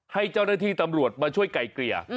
ให้เจ้าหน้าที่ตำรวจมาช่วยไกลเกลี่ย